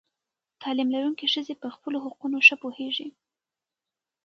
تعلیم لرونکې ښځې پر خپلو حقونو ښه پوهېږي.